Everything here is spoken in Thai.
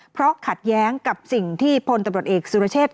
เพราะขัดแย้งกับสิ่งที่พลตำรวจเอกสุรเชษฐ